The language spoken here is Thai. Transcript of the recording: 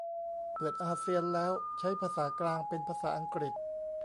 เปิดอาเซียนแล้ว ใช้ภาษากลางเป็นภาษาอังกฤษ